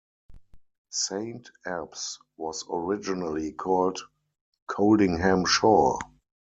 Saint Abbs was originally called Coldingham Shore.